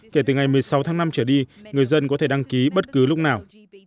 kể từ ngày một mươi sáu tháng năm trở đi người dân có thể đăng ký bất cứ lúc nào